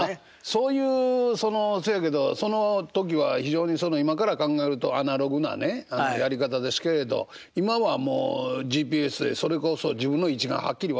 そういうそやけどその時は非常に今から考えるとアナログなねやり方ですけれど今はもうＧＰＳでそれこそ自分の位置がはっきり分かりますから。